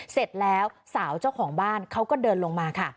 เสร็จแล้วสาวเจ้าของบ้านเขาก็เดินลงมาค่ะ